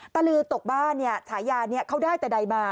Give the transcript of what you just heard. ตะลือตกบ้านเนี่ยชายาเนี่ยเขาได้แต่ดายมา